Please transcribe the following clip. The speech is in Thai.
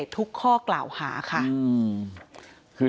ทุกข้อกล่าวหาค่ะ